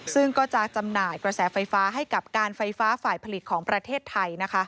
ซึ่งก็จะจำหน่ายกระแสไฟฟ้าให้กับการไฟฟ้าฝ่ายผลิตของประเทศไทย